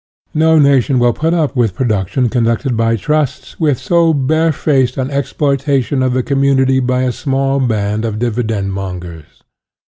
No nation will put up with production conducted by trusts, with so barefaced an exploitation of the community by a small band of dividend mongers.